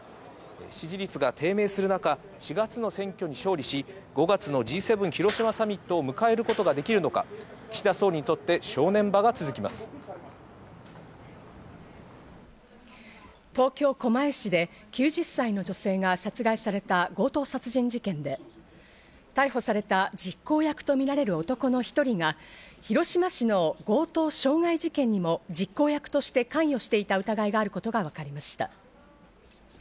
支持率が低迷するなか、４月の選挙に勝利し５月のＧ７広島サミットを迎えることができるのか岸田総理にとっ東京・狛江市で９０歳の女性が殺害された強盗殺人事件で、逮捕された実行役とみられる男の１人が広島市の強盗傷害事件にも実行役として関与していた疑いがあることが分かりました。